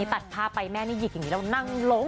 ตัดภาพไปแม่นี่หยิกอย่างนี้แล้วนั่งล้ม